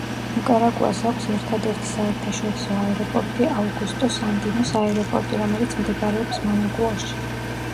ნიკარაგუას აქვს ერთადერთი საერთაშორისო აეროპორტი აუგუსტო სანდინოს აეროპორტი, რომელიც მდებარეობს მანაგუაში.